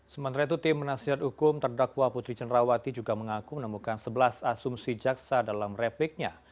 sementara itu tim penasihat hukum terdakwa putri cenrawati juga mengaku menemukan sebelas asumsi jaksa dalam repliknya